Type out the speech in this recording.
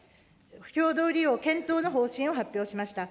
共同利用検討の方針を発表しました。